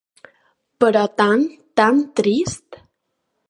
Però tan, tan trist.